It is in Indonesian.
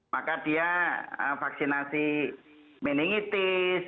maka dia vaksinasi meningitis